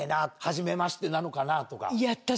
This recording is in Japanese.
はじめましてなのかな？とか。